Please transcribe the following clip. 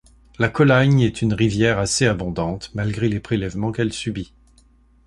La Colagne est une rivière assez abondante, malgré les prélèvements qu'elle subit.